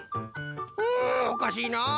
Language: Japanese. うんおかしいなあ。